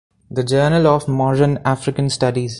"The Journal of Modern African Studies".